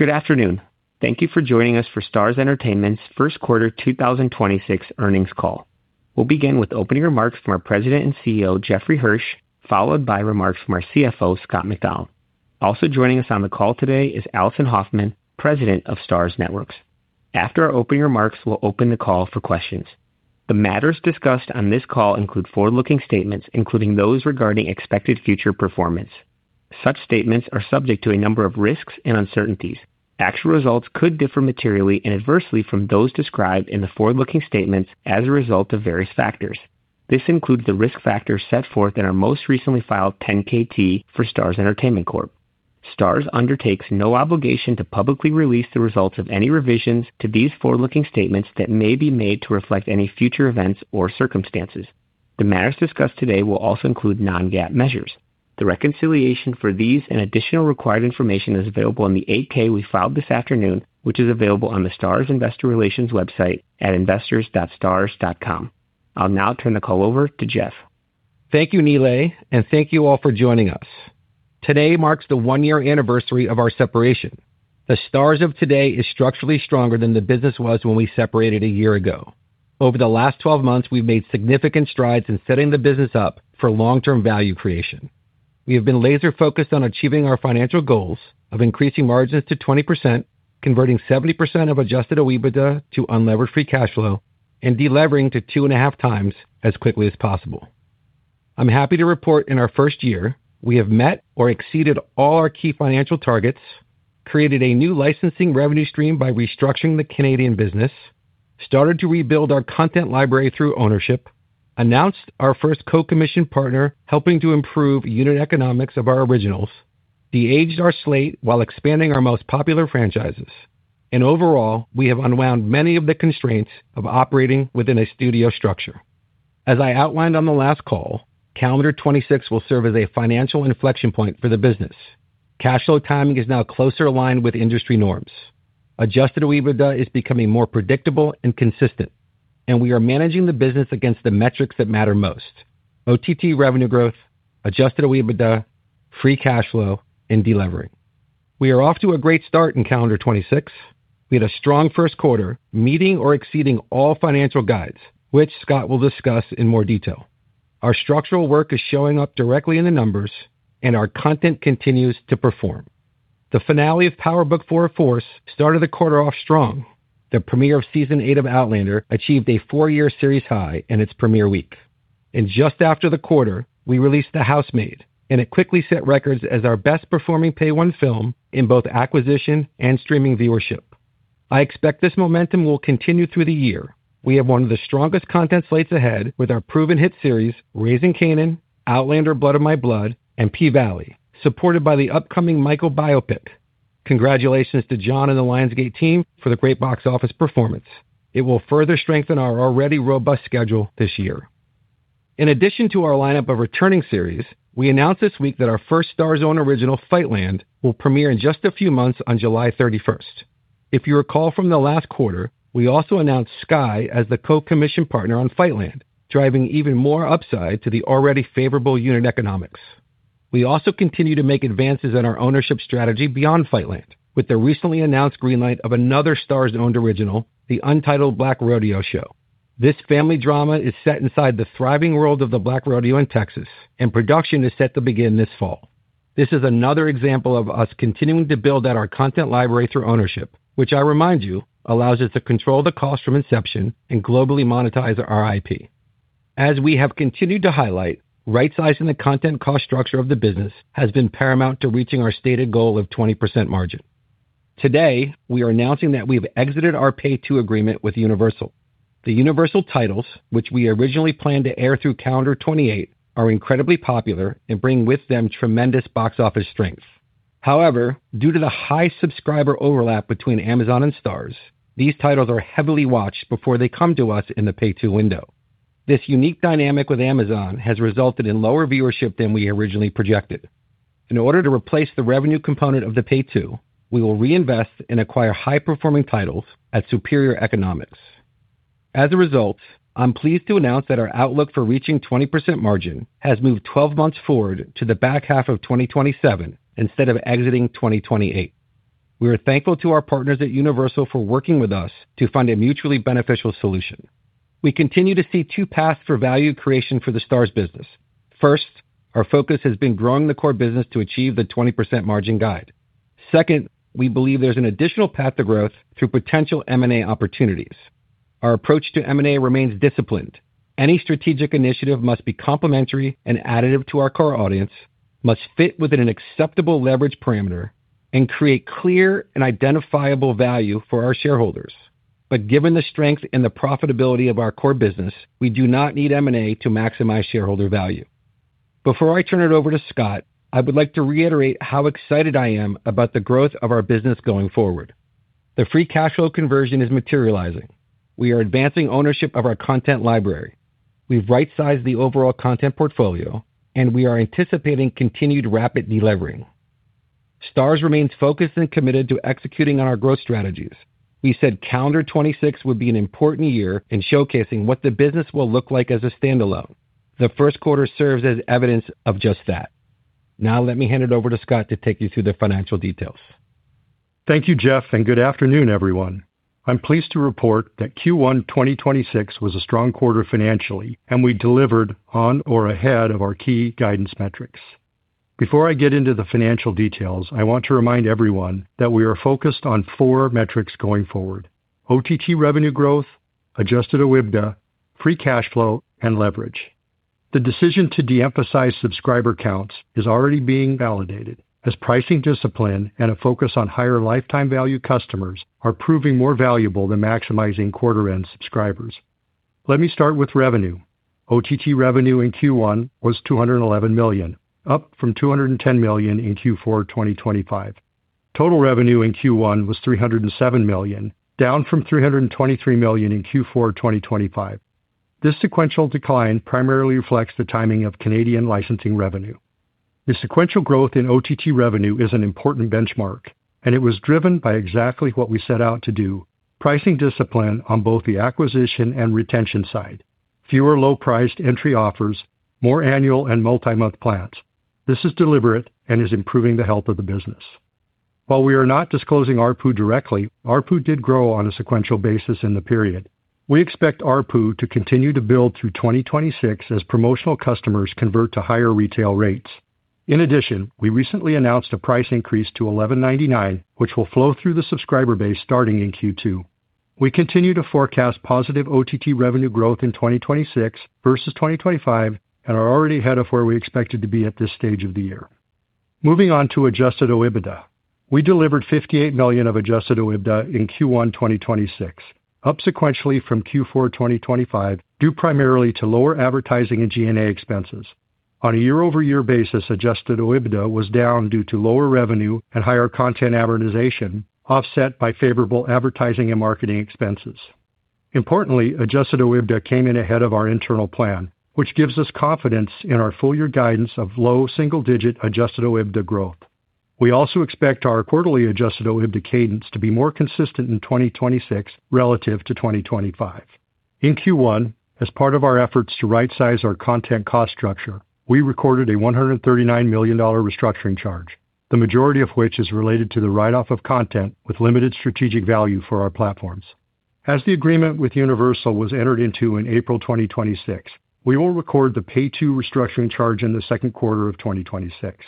Good afternoon. Thank you for joining us for Starz Entertainment's first quarter 2026 earnings call. We'll begin with opening remarks from our President and CEO, Jeffrey Hirsch, followed by remarks from our CFO, Scott Macdonald. Also joining us on the call today is Alison Hoffman, President of Starz Networks. After our opening remarks, we'll open the call for questions. The matters discussed on this call include forward-looking statements, including those regarding expected future performance. Such statements are subject to a number of risks and uncertainties. Actual results could differ materially and adversely from those described in the forward-looking statements as a result of various factors. This includes the risk factors set forth in our most recently filed 10-K for Starz Entertainment Corp. Starz undertakes no obligation to publicly release the results of any revisions to these forward-looking statements that may be made to reflect any future events or circumstances. The matters discussed today will also include non-GAAP measures. The reconciliation for these and additional required information is available in the 8-K we filed this afternoon, which is available on the Starz investor relations website at investors.starz.com. I'll now turn the call over to Jeff. Thank you, Nilay, and thank you all for joining us. Today marks the one-year anniversary of our separation. The Starz of today is structurally stronger than the business was when we separated a year ago. Over the last 12 months, we've made significant strides in setting the business up for long-term value creation. We have been laser-focused on achieving our financial goals of increasing margins to 20%, converting 70% of adjusted OIBDA to unlevered free cash flow, and delevering to 2.5x as quickly as possible. I'm happy to report in our first year, we have met or exceeded all our key financial targets, created a new licensing revenue stream by restructuring the Canadian business, started to rebuild our content library through ownership, announced our first co-commission partner, helping to improve unit economics of our originals, de-aged our slate while expanding our most popular franchises. Overall, we have unwound many of the constraints of operating within a studio structure. As I outlined on the last call, calendar 2026 will serve as a financial inflection point for the business. Cash flow timing is now closer aligned with industry norms. Adjusted OIBDA is becoming more predictable and consistent, and we are managing the business against the metrics that matter most: OTT revenue growth, adjusted OIBDA, free cash flow, and delevering. We are off to a great start in calendar 2026. We had a strong first quarter, meeting or exceeding all financial guides, which Scott will discuss in more detail. Our structural work is showing up directly in the numbers, and our content continues to perform. The finale of Power Book IV: Force started the quarter off strong. The premiere of season eight of Outlander achieved a four-year series high in its premiere week. Just after the quarter, we released The Housemaid, and it quickly set records as our best-performing Pay-1 film in both acquisition and streaming viewership. I expect this momentum will continue through the year. We have one of the strongest content slates ahead with our proven hit series, Raising Kanan, Outlander: Blood of My Blood, and P-Valley, supported by the upcoming Michael biopic. Congratulations to Jon and the Lionsgate team for the great box office performance. It will further strengthen our already robust schedule this year. In addition to our lineup of returning series, we announced this week that our first Starz-owned original, Fightland, will premiere in just a few months on July 31st. If you recall from the last quarter, we also announced Sky as the co-commission partner on Fightland, driving even more upside to the already favorable unit economics. We also continue to make advances in our ownership strategy beyond Fightland with the recently announced greenlight of another Starz-owned original, the untitled Black rodeo show. This family drama is set inside the thriving world of the Black rodeo in Texas, and production is set to begin this fall. This is another example of us continuing to build out our content library through ownership, which I remind you, allows us to control the cost from inception and globally monetize our IP. As we have continued to highlight, rightsizing the content cost structure of the business has been paramount to reaching our stated goal of 20% margin. Today, we are announcing that we've exited our Pay-2 agreement with Universal. The Universal titles, which we originally planned to air through calendar 2028, are incredibly popular and bring with them tremendous box office strengths. However, due to the high subscriber overlap between Amazon and Starz, these titles are heavily watched before they come to us in the Pay-2 window. This unique dynamic with Amazon has resulted in lower viewership than we originally projected. In order to replace the revenue component of the Pay-2, we will reinvest and acquire high-performing titles at superior economics. As a result, I'm pleased to announce that our outlook for reaching 20% margin has moved 12 months forward to the back half of 2027 instead of exiting 2028. We are thankful to our partners at Universal for working with us to find a mutually beneficial solution. We continue to see two paths for value creation for the Starz business. First, our focus has been growing the core business to achieve the 20% margin guide. Second, we believe there's an additional path to growth through potential M&A opportunities. Our approach to M&A remains disciplined. Any strategic initiative must be complementary and additive to our core audience, must fit within an acceptable leverage parameter, and create clear and identifiable value for our shareholders. But given the strength and the profitability of our core business, we do not need M&A to maximize shareholder value. Before I turn it over to Scott, I would like to reiterate how excited I am about the growth of our business going forward. The free cash flow conversion is materializing. We are advancing ownership of our content library. We've rightsized the overall content portfolio, and we are anticipating continued rapid delevering. Starz remains focused and committed to executing on our growth strategies. We said calendar 2026 would be an important year in showcasing what the business will look like as a standalone. The first quarter serves as evidence of just that. Now, let me hand it over to Scott to take you through the financial details. Thank you, Jeff, and good afternoon, everyone. I'm pleased to report that Q1 2026 was a strong quarter financially, and we delivered on or ahead of our key guidance metrics. Before I get into the financial details, I want to remind everyone that we are focused on four metrics going forward: OTT revenue growth, adjusted OIBDA, free cash flow, and leverage. The decision to de-emphasize subscriber counts is already being validated as pricing discipline and a focus on higher lifetime value customers are proving more valuable than maximizing quarter-end subscribers. Let me start with revenue. OTT revenue in Q1 was $211 million, up from $210 million in Q4 2025. Total revenue in Q1 was $307 million, down from $323 million in Q4 2025. This sequential decline primarily reflects the timing of Canadian licensing revenue. The sequential growth in OTT revenue is an important benchmark, and it was driven by exactly what we set out to do, pricing discipline on both the acquisition and retention side, fewer low-priced entry offers, more annual and multi-month plans. This is deliberate and is improving the health of the business. While we are not disclosing ARPU directly, ARPU did grow on a sequential basis in the period. We expect ARPU to continue to build through 2026 as promotional customers convert to higher retail rates. In addition, we recently announced a price increase to $11.99, which will flow through the subscriber base starting in Q2. We continue to forecast positive OTT revenue growth in 2026 versus 2025 and are already ahead of where we expected to be at this stage of the year. Moving on to adjusted OIBDA. We delivered $58 million of adjusted OIBDA in Q1 2026, up sequentially from Q4 2025, due primarily to lower advertising and G&A expenses. On a year-over-year basis, adjusted OIBDA was down due to lower revenue and higher content amortization, offset by favorable advertising and marketing expenses. Importantly, adjusted OIBDA came in ahead of our internal plan, which gives us confidence in our full-year guidance of low single-digit adjusted OIBDA growth. We also expect our quarterly adjusted OIBDA cadence to be more consistent in 2026 relative to 2025. In Q1, as part of our efforts to rightsize our content cost structure, we recorded a $139 million restructuring charge, the majority of which is related to the write-off of content with limited strategic value for our platforms. As the agreement with Universal was entered into in April 2026, we will record the Pay-2 restructuring charge in the second quarter of 2026.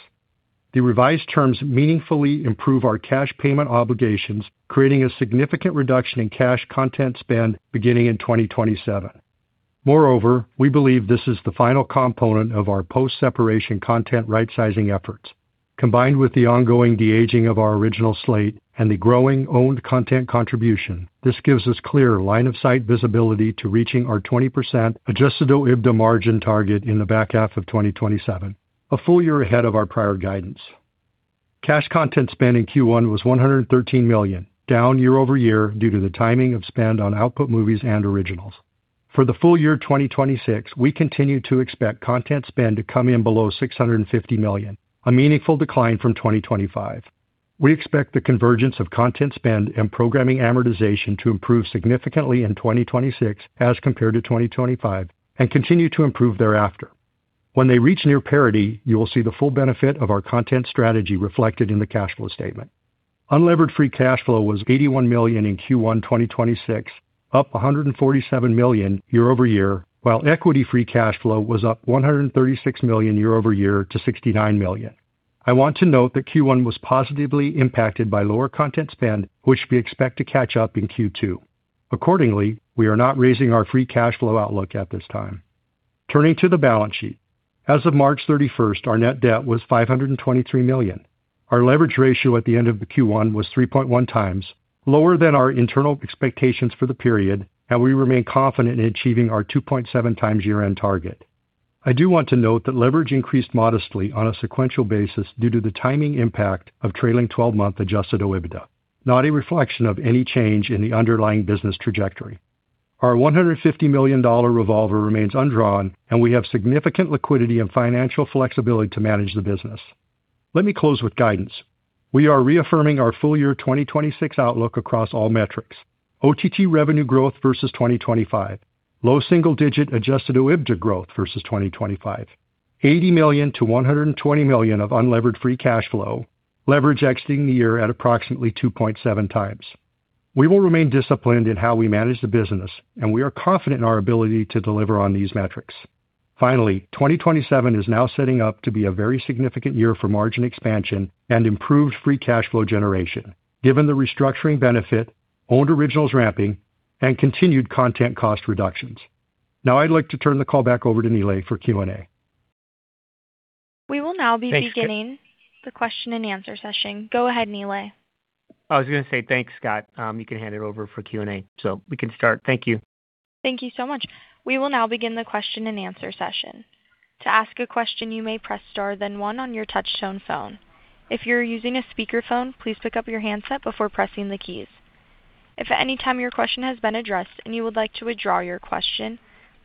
The revised terms meaningfully improve our cash payment obligations, creating a significant reduction in cash content spend beginning in 2027. Moreover, we believe this is the final component of our post-separation content rightsizing efforts. Combined with the ongoing de-aging of our original slate and the growing owned content contribution, this gives us clear line of sight visibility to reaching our 20% adjusted OIBDA margin target in the back half of 2027, a full year ahead of our prior guidance. Cash content spend in Q1 was $113 million, down year-over-year due to the timing of spend on output movies and originals. For the full year 2026, we continue to expect content spend to come in below $650 million, a meaningful decline from 2025. We expect the convergence of content spend and programming amortization to improve significantly in 2026 as compared to 2025 and continue to improve thereafter. When they reach near parity, you will see the full benefit of our content strategy reflected in the cash flow statement. Unlevered free cash flow was $81 million in Q1 2026, up $147 million year-over-year, while equity free cash flow was up $136 million year-over-year to $69 million. I want to note that Q1 was positively impacted by lower content spend, which we expect to catch up in Q2. Accordingly, we are not raising our free cash flow outlook at this time. Turning to the balance sheet. As of March 31st, our net debt was $523 million. Our leverage ratio at the end of the Q1 was 3.1x, lower than our internal expectations for the period, and we remain confident in achieving our 2.7x year-end target. I do want to note that leverage increased modestly on a sequential basis due to the timing impact of trailing 12-month adjusted OIBDA, not a reflection of any change in the underlying business trajectory. Our $150 million revolver remains undrawn, and we have significant liquidity and financial flexibility to manage the business. Let me close with guidance. We are reaffirming our full-year 2026 outlook across all metrics: OTT revenue growth versus 2025, low single-digit adjusted OIBDA growth versus 2025, $80 million-$120 million of unlevered free cash flow, leverage exiting the year at approximately 2.7x. We will remain disciplined in how we manage the business, and we are confident in our ability to deliver on these metrics. Finally, 2027 is now setting up to be a very significant year for margin expansion and improved free cash flow generation, given the restructuring benefit, owned originals ramping, and continued content cost reductions. Now I'd like to turn the call back over to Nilay for Q&A. We will now be beginning. Thanks, Scott. The question-and-answer session. Go ahead, Nilay. I was just gonna say thanks, Scott. You can hand it over for Q&A, so we can start. Thank you. Thank you so much. We will now begin the question-and-answer session. To ask a question, you may press star then one on your touch-tone phone. If you're using a speakerphone, please pick up your handset before pressing the keys. If at any time your question has been addressed and you would like to withdraw your question,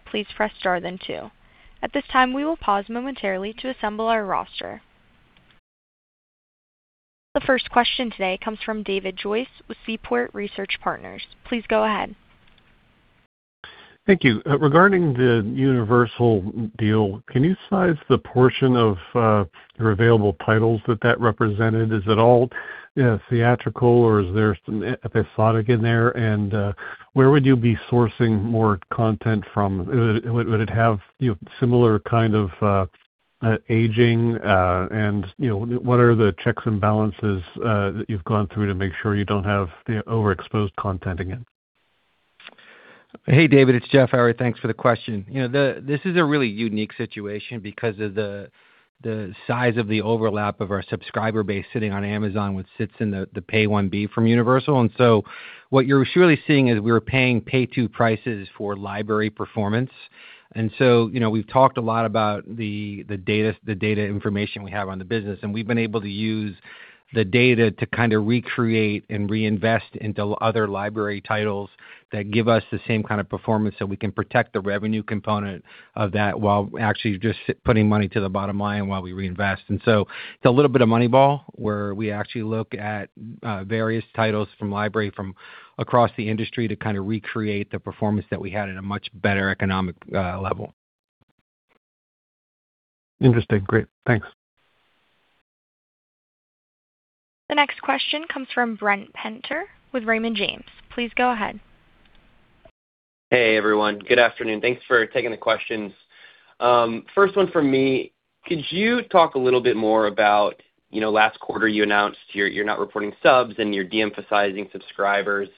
please press star then two. At this time, we will pause momentarily to assemble our roster. The first question today comes from David Joyce with Seaport Research Partners. Please go ahead. Thank you. Regarding the Universal deal, can you size the portion of your available titles that that represented? Is it all theatrical or is there some episodic in there? And where would you be sourcing more content from? Would it have, you know, similar kind of aging, and, you know, what are the checks and balances that you've gone through to make sure you don't have the overexposed content again? Hey, David, it's Jeff, alright, thanks for the question. You know, this is a really unique situation because of the size of the overlap of our subscriber base sitting on Amazon, which sits in the Pay-1B from Universal. So, what you're surely seeing is we were paying Pay-2 prices for library performance. You know, we've talked a lot about the data information we have on the business, and we've been able to use the data to kinda recreate and reinvest into other library titles that give us the same kind of performance so we can protect the revenue component of that while actually just putting money to the bottom line while we reinvest. It's a little bit of Moneyball, where we actually look at various titles from library from across the industry to kind of recreate the performance that we had at a much better economic level. Interesting. Great. Thanks. The next question comes from Brent Penter with Raymond James. Please go ahead. Hey, everyone. Good afternoon. Thanks for taking the questions. First one from me. Could you talk a little bit more about, you know, last quarter you announced you're not reporting subs and you're de-emphasizing subscribers,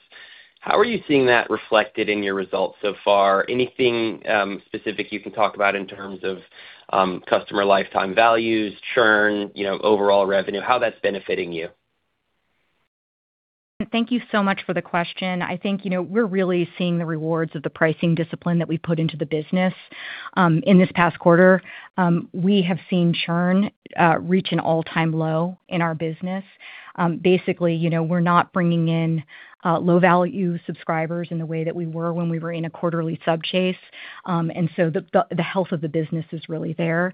how are you seeing that reflected in your results so far? Anything specific you can talk about in terms of customer lifetime values, churn, you know, overall revenue, how that's benefiting you? Thank you so much for the question. I think, you know, we're really seeing the rewards of the pricing discipline that we put into the business. In this past quarter, we have seen churn reach an all-time low in our business. Basically, you know, we're not bringing in low-value subscribers in the way that we were when we were in a quarterly sub chase, and so the health of the business is really there.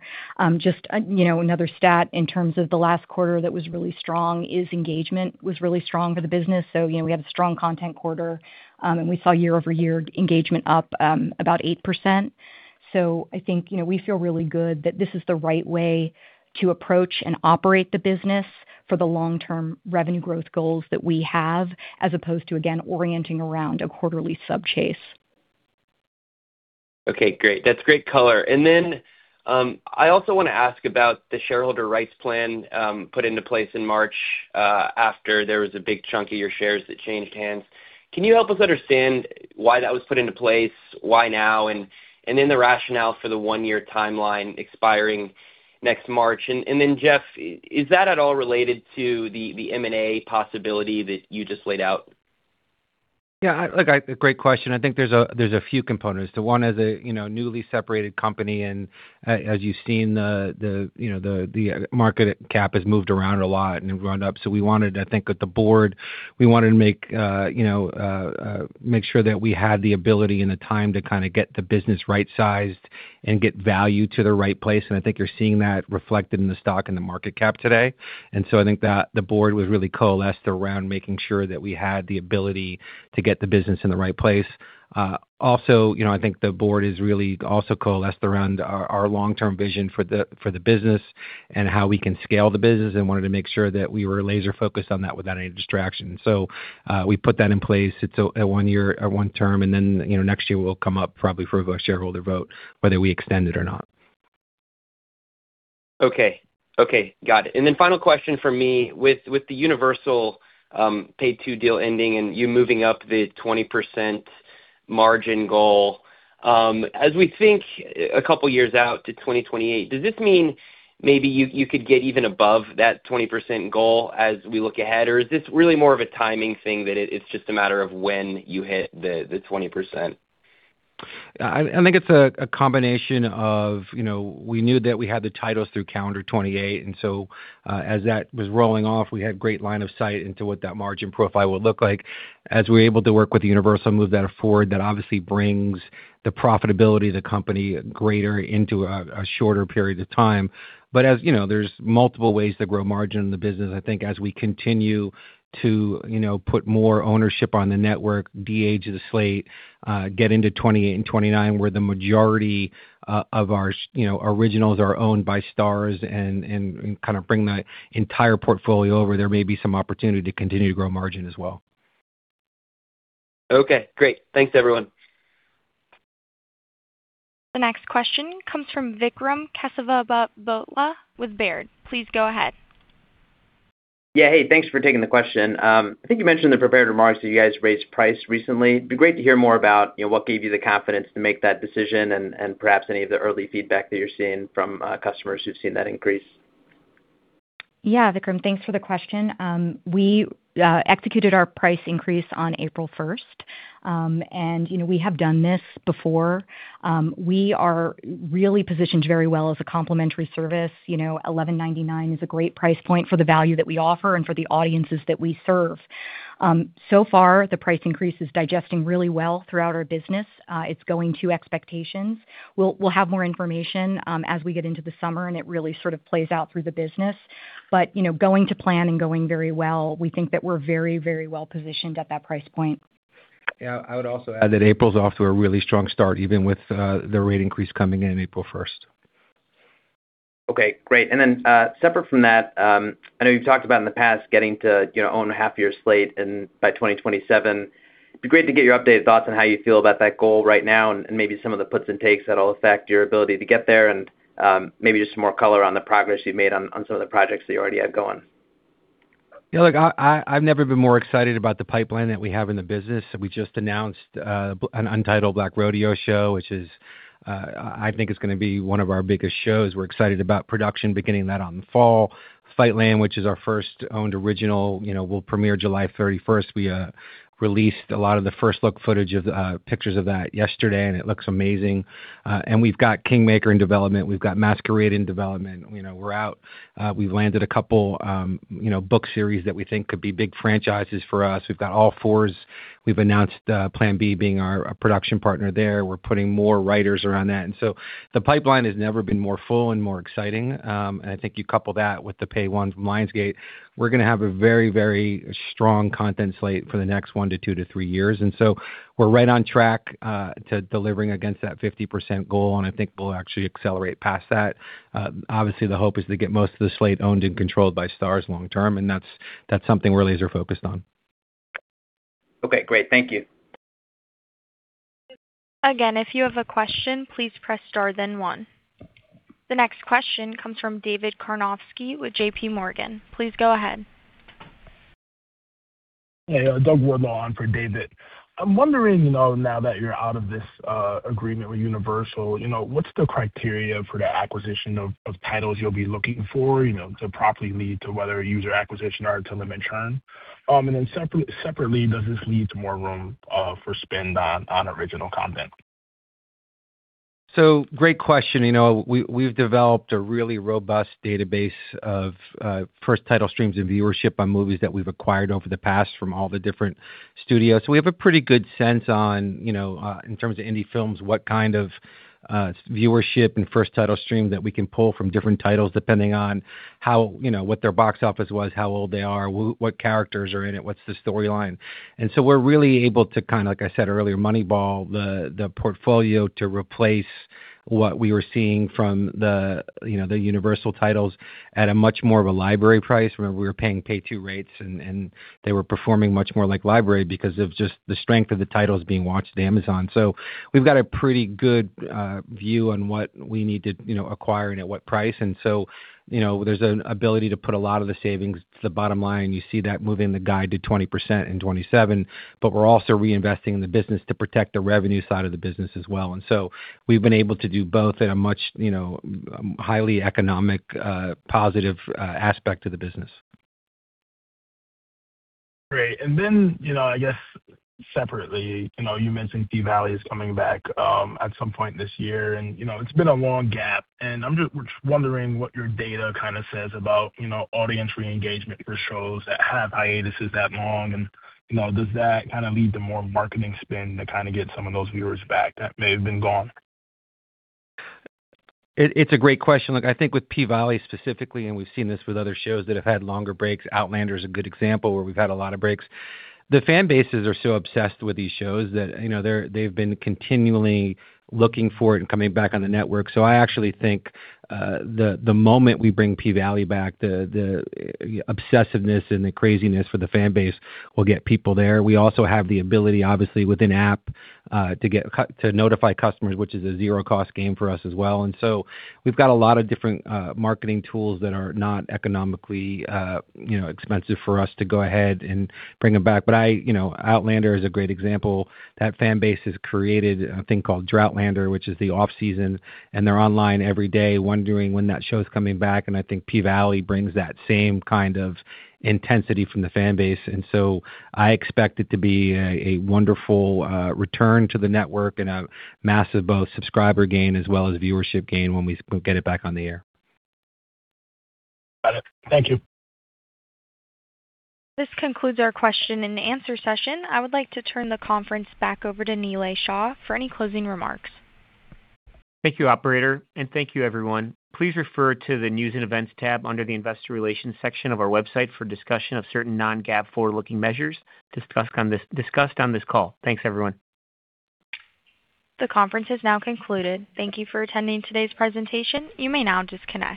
Just, you know, another stat in terms of the last quarter that was really strong is engagement was really strong for the business. We had a strong content quarter, and we saw year-over-year engagement up about 8%. I think, you know, we feel really good that this is the right way to approach and operate the business for the long-term revenue growth goals that we have, as opposed to, again, orienting around a quarterly sub chase. Okay, great. That's great color. I also want to ask about the shareholder rights plan put into place in March after there was a big chunk of your shares that changed hands. Can you help us understand why that was put into place, why now, and the rationale for the one-year timeline expiring next March? And then Jeff, is that at all related to the M&A possibility that you just laid out? Yeah. Look, great question. I think there's a few components. The one is a, you know, newly separated company and as you've seen, the, you know, the market cap has moved around a lot and gone up. We wanted to think at the board, we wanted to make, you know, make sure that we had the ability and the time to kinda get the business rightsized and get value to the right place. I think you're seeing that reflected in the stock and the market cap today. I think that the board was really coalesced around making sure that we had the ability to get the business in the right place. Also, you know, I think the board is really also coalesced around our long-term vision for the, for the business and how we can scale the business and wanted to make sure that we were laser-focused on that without any distraction, so we put that in place. It's a one year, one term, and then, you know, next year we'll come up probably for a shareholder vote whether we extend it or not. Okay. Okay. Got it. And then final question from me, with the Universal Pay-2 deal ending and you moving up the 20% margin goal, as we think a couple years out to 2028, does this mean maybe you could get even above that 20% goal as we look ahead? Or is this really more of a timing thing that it's just a matter of when you hit the 20%? I think it's a combination of, you know, we knew that we had the titles through calendar 2028. As that was rolling off, we had great line of sight into what that margin profile would look like. As we're able to work with Universal, move that forward, that obviously brings the profitability of the company greater into a shorter period of time. As you know, there's multiple ways to grow margin in the business. I think as we continue to, you know, put more ownership on the network, de-age the slate, get into 2028 and 2029, where the majority of our, you know, originals are owned by Starz and kind of bring the entire portfolio over, there may be some opportunity to continue to grow margin as well. Okay, great. Thanks, everyone. The next question comes from Vikram Kesavabhotla with Baird. Please go ahead. Yeah. Hey, thanks for taking the question. I think you mentioned in the prepared remarks that you guys raised price recently. It'd be great to hear more about, you know, what gave you the confidence to make that decision and perhaps any of the early feedback that you're seeing from customers who've seen that increase. Yeah, Vikram, thanks for the question. We executed our price increase on April 1st. You know, we have done this before. We are really positioned very well as a complimentary service. You know, $11.99 is a great price point for the value that we offer and for the audiences that we serve. So far, the price increase is digesting really well throughout our business. It's going to expectations. We'll have more information as we get into the summer, and it really sort of plays out through the business. You know, it's going to plan and going very well. We think that we're very, very well-positioned at that price point. Yeah. I would also add that April's off to a really strong start, even with the rate increase coming in April 1st. Okay, great. Then, separate from that, I know you've talked about in the past getting to, you know, own a half-year slate by 2027. It'd be great to get your updated thoughts on how you feel about that goal right now and maybe some of the puts and takes that'll affect your ability to get there and maybe just some more color on the progress you've made on some of the projects that you already have going. Yeah. Look, I've never been more excited about the pipeline that we have in the business. We just announced an untitled Black rodeo show, which is, I think it's gonna be one of our biggest shows. We're excited about production beginning that on the fall. Fightland, which is our first owned original, you know, will premiere July 31st. We released a lot of the first-look footage of pictures of that yesterday, and it looks amazing. We've got Kingmaker in development; we've got Masquerade in development. You know, we're out. We've landed a couple, you know, book series that we think could be big franchises for us. We've got All Fours. We've announced Plan B being our production partner there. We're putting more writers around that. So, the pipeline has never been more full and more exciting. I think you couple that with the Pay-1 from Lionsgate, we're going to have a very, very strong content slate for the next one to two to three years. We're right on track to delivering against that 50% goal, and I think we'll actually accelerate past that. Obviously, the hope is to get most of the slate owned and controlled by Starz long term, and that's something we're laser-focused on. Okay, great. Thank you. Again, if you have a question, please press star then one. The next question comes from David Karnovsky with JPMorgan. Please go ahead. Hey, Doug Wardlaw on for David. I'm wondering, you know, now that you're out of this agreement with Universal, you know, what's the criteria for the acquisition of titles you'll be looking for, you know, to properly lead to whether user acquisition or to limit churn? Then separately, does this lead to more room for spend on original content? Great question. You know, we've developed a really robust database of first title streams and viewership on movies that we've acquired over the past from all the different studios. We have a pretty good sense on, you know, in terms of indie films, what kind of viewership and first title stream that we can pull from different titles depending on how, you know, what their box office was, how old they are, what characters are in it, what's the storyline. We're really able to kind of, like I said earlier, Moneyball the portfolio to replace what we were seeing from the, you know, the Universal titles at a much more of a library price. Remember, we were paying Pay-2 rates, and they were performing much more like library because of just the strength of the titles being watched at Amazon. We've got a pretty good view on what we need to, you know, acquire and at what price. You know, there's an ability to put a lot of the savings to the bottom line. You see that move in the guide to 20% in 2027, but we're also reinvesting in the business to protect the revenue side of the business as well. We've been able to do both at a much, you know, highly economic, positive aspect of the business. Great. Then, you know, I guess separately, you know, you mentioned P-Valley is coming back at some point this year, you know, it's been a long gap. I'm just wondering what your data kinda says about, you know, audience re-engagement for shows that have hiatuses that long, and you know, does that kinda lead to more marketing spend to kinda get some of those viewers back that may have been gone? It's a great question. Look, I think with P-Valley specifically, and we've seen this with other shows that have had longer breaks, Outlander is a good example where we've had a lot of breaks. The fan bases are so obsessed with these shows that, you know, they've been continually looking for it and coming back on the network. So, I actually think the moment we bring P-Valley back, the obsessiveness and the craziness for the fan base will get people there. We also have the ability, obviously with in-app, to notify customers, which is a zero-cost game for us as well. We've got a lot of different marketing tools that are not economically, you know, expensive for us to go ahead and bring them back. YoU know, Outlander is a great example. That fan base has created a thing called Droughtlander, which is the off-season, and they're online every day wondering when that show's coming back. I think P-Valley brings that same kind of intensity from the fan base, and so, I expect it to be a wonderful return to the network and a massive both subscriber gain as well as viewership gain when we get it back on the air. Got it. Thank you. This concludes our question-and-answer session. I would like to turn the conference back over to Nilay Shah for any closing remarks. Thank you, operator, and thank you, everyone. Please refer to the News and Events tab under the Investor Relations section of our website for discussion of certain non-GAAP forward-looking measures discussed on this call. Thanks, everyone. The conference has now concluded. Thank you for attending today's presentation. You may now disconnect.